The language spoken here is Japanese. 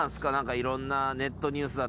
いろんな。